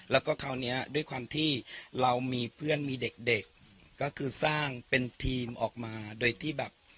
แล้วก็คราวนี้ด้วยความที่เรามีเพื่อนมีเด็กเด็กก็คือสร้างเป็นทีมออกมาโดยที่แบบ